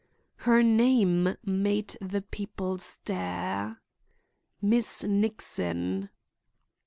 Her name made the people stare. "Miss Nixon."